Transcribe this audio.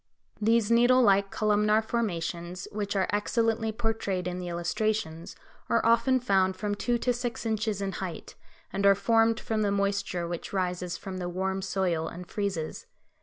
These needle like columnar formations, which are excellently portrayed in the illustrations, are often found from two to six inches in height, and are formed from the moisture which rises from the warm soil and freezes.